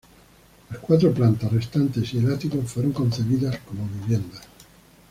Las cuatro plantas restantes y el ático fueron concebidas como viviendas.